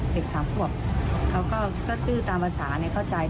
เด็กสามขวบเค้าก็ตื้อตามภาษาในเข้าใจ